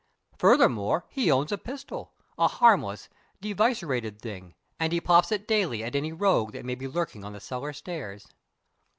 Furthermore, he owns a pistol a harmless, devicerated thing and he pops it daily at any rogue that may be lurking on the cellar stairs.